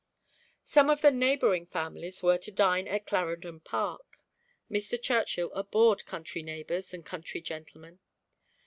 Some of the neighbouring families were to dine at Clarendon Park. Mr. Churchill abhorred country neighbours and country gentlemen.